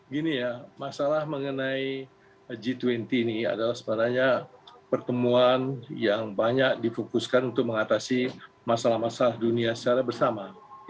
gini ya masalah mengenai g dua puluh ini adalah sebenarnya pertemuan yang banyak difokuskan untuk mengatasi masalah masalah dunia secara bersama